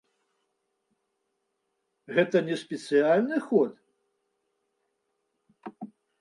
Гэта не спецыяльны ход.